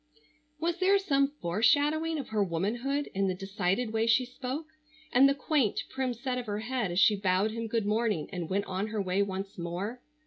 Was there some foreshadowing of her womanhood in the decided way she spoke, and the quaint, prim set of her head as she bowed him good morning and went on her way once more?